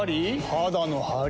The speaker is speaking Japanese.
肌のハリ？